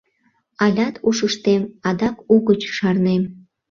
Алят ушыштем, адак угыч шарнем.